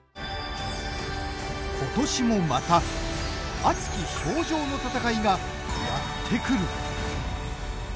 ことしもまた熱き氷上の戦いがやってくる。